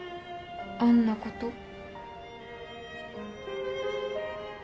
あんなこと？